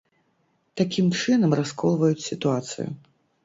Такім чынам расколваюць сітуацыю.